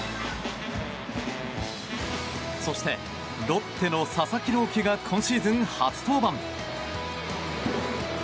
そしてロッテの佐々木朗希が今シーズン初登板。